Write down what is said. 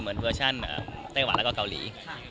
เหมือนเวอชั่นเต้หวันและเกาหลี